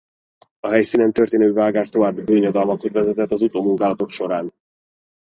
A helyszínen történő vágás további bonyodalmakhoz vezetett az utómunkálatok során.